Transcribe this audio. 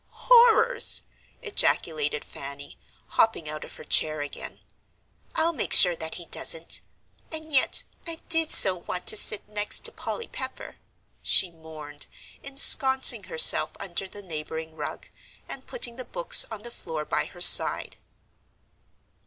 "Horrors!" ejaculated Fanny, hopping out of her chair again. "I'll make sure that he doesn't. And yet I did so want to sit next to Polly Pepper," she mourned, ensconcing herself under the neighbouring rug, and putting the books on the floor by her side.